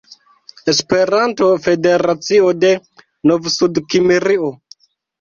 Esperanto-federacio de Novsudkimrio